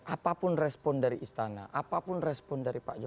apapun respon dari istana apapun respon dari pak jokowi